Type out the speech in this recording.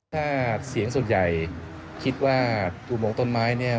ถ้าเสียงส่วนใหญ่คิดว่าอุโมงต้นไม้เนี่ย